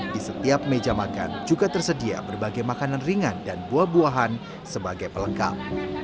di setiap meja makan juga tersedia berbagai makanan ringan dan buah buahan sebagai pelengkap